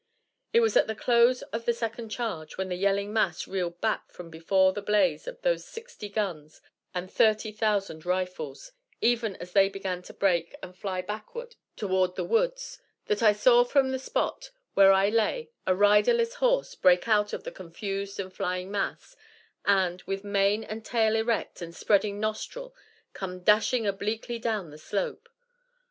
It was at the close of the second charge, when the yelling mass reeled back from before the blaze of those sixty guns and thirty thousand rifles, even as they began to break and fly backward toward the woods, that I saw from the spot where I lay a riderless horse break out of the confused and flying mass, and, with mane and tail erect and spreading nostril, come dashing obliquely down the slope.